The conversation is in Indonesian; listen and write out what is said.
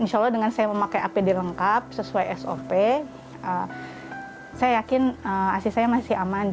insya allah dengan saya memakai apd lengkap sesuai sop saya yakin ac saya masih aman